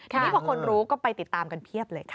ทีนี้พอคนรู้ก็ไปติดตามกันเพียบเลยค่ะ